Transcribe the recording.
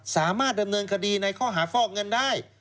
สามารถดำเนินคดีในข้อหาฟอกเงินได้